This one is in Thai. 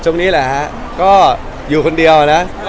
นี่แหละฮะก็อยู่คนเดียวนะ